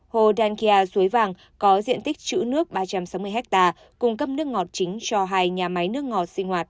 hồ đan kìa suối vàng có diện tích chữ nước ba trăm sáu mươi hectare cung cấp nước ngọt chính cho hai nhà máy nước ngọt sinh hoạt